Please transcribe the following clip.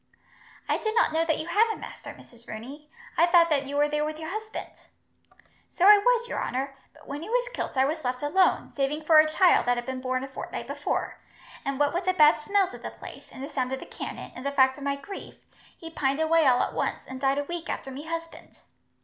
"I did not know that you had a master, Mrs. Rooney. I thought that you were there with your husband." "So I was, your honour; but when he was kilt I was left alone, saving for a child that had been born a fortnight before; and what with the bad smells of the place, and the sound of the cannon, and the fact of my grief, he pined away all at once, and died a week after me husband.